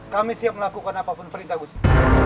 kami siap melakukan apapun perintah gus